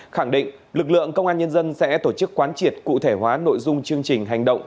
khẳng định lực lượng công an nhân dân sẽ tổ chức quán triệt cụ thể hóa nội dung chương trình hành động